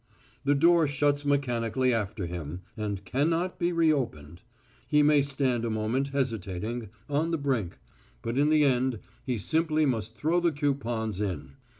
The door shuts mechanically after him, and cannot be re opened. He may stand a moment, hesitating, on the brink, but in the end he simply must throw the coupons in.